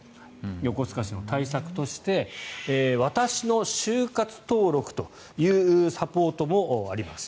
横須賀市の対策としてわたしの終活登録というサポートもあります。